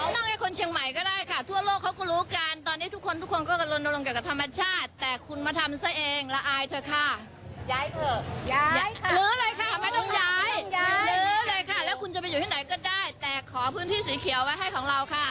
ไม่ต้องย้ายแล้วคุณจะไปอยู่ให้ไหนก็ได้แต่ขอพื้นที่สีเขียวไว้ให้ของเราค่ะ